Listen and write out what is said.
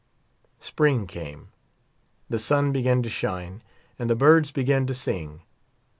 Spring came ; the sun began to shine and the birds began to sing.